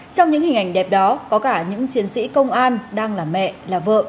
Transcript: trong những hình ảnh đẹp đó có cả những chiến sĩ công an đang là mẹ là vợ